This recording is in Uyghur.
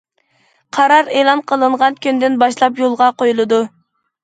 قارار ئېلان قىلىنغان كۈندىن باشلاپ يولغا قويۇلىدۇ.